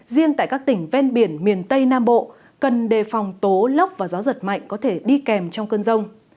riêng tại các tỉnh ven biển miền tây nam bộ cần đề phòng tố lốc và gió giật mạnh có thể đi kèm trong cơn rông